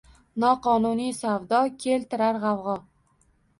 Noqonuniy savdo – keltirar g‘avg‘o